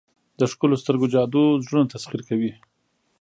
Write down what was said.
د ښکلو سترګو جادو زړونه تسخیر کوي.